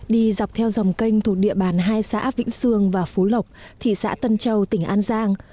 đi dọc theo dòng kênh thuộc địa bàn hai xã vĩnh sương và phú lộc thị xã tân châu tỉnh an giang